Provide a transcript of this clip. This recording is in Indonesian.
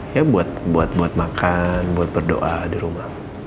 ya buat buat makan buat berdoa di rumah